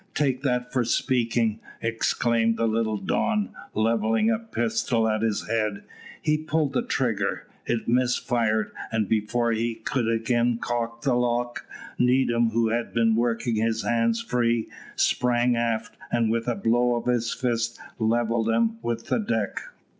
"Take that for speaking," exclaimed the little Don, levelling a pistol at his head. He pulled the trigger. It missed fire, and before he could again cock the lock, Needham, who had been working his hands free, sprang aft, and with a blow of his fist levelled him with the deck.